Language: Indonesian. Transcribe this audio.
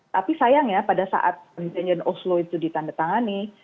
tapi sayangnya pada saat perjanjian oslo itu ditandatangani